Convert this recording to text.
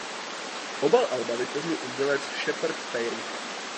Obal alba vytvořil umělec Shepard Fairey.